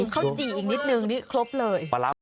ข้าวจี่อีกนิดนึงนี่ครบเลย